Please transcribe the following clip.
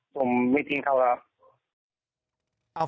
ผมไม่ทิ้งเขาแล้วครับ